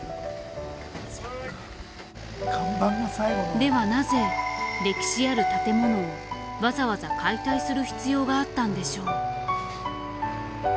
ではなぜ歴史ある建物をわざわざ解体する必要があったんでしょう？